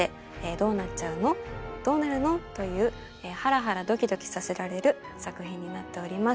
どうなるの？というハラハラドキドキさせられる作品になっております。